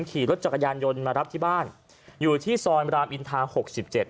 ขี่รถจักรยานยนต์มารับที่บ้านอยู่ที่ซอยรามอินทาหกสิบเจ็ด